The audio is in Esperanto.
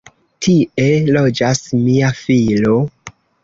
Tie loĝas mia filo.